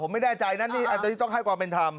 ผมไม่แน่ใจนะอันนี้อาจจะที่ต้องให้ความเป็นธรรม